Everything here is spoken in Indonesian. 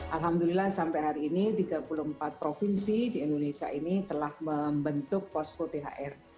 alhamdulillah sampai hari ini tiga puluh empat provinsi di indonesia ini telah membentuk posko thr